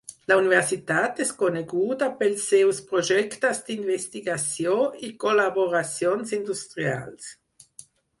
La universitat és coneguda pels seus projectes d'investigació i col·laboracions industrials.